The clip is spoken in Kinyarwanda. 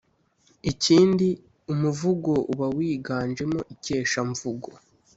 Ikindi umuvugo uba wiganjemo ikeshamvugo